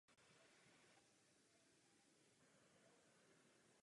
Bylo nutno provést to ve velmi krátké době.